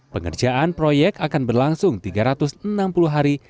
pengerjaan proyek akan berlangsung tiga ratus enam puluh hari